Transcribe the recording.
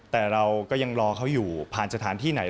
แต่เราก็ยังรอเขาอยู่ผ่านสถานที่ไหน